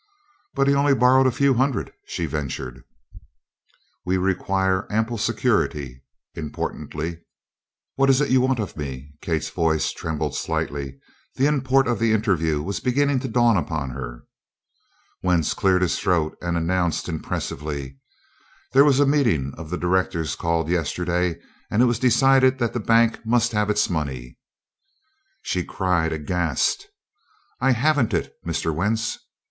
"But he only borrowed a few hundred," she ventured. "We require ample security," importantly. "What is it you want of me?" Kate's voice trembled slightly. The import of the interview was beginning to dawn upon her. Wentz cleared his throat and announced impressively: "There was a meeting of the directors called yesterday and it was decided that the bank must have its money." She cried aghast: "I haven't it, Mr. Wentz!"